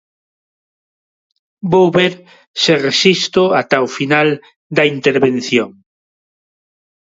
Vou ver se resisto ata o final da intervención.